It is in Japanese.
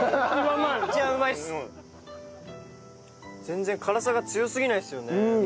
全然辛さが強すぎないですよね。